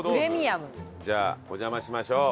じゃあお邪魔しましょう。